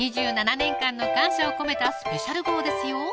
２７年間の感謝を込めたスペシャル号ですよ